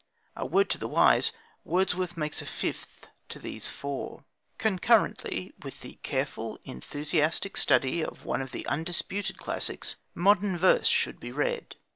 (A word to the wise!) Wordsworth makes a fifth to these four. Concurrently with the careful, enthusiastic study of one of the undisputed classics, modern verse should be read.